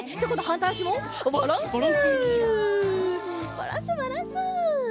バランスバランス。